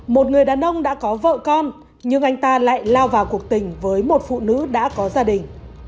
một người đàn ông đã có vợ con nhưng anh ta lại lao vào cuộc tình với một phụ nữ đã có gia đình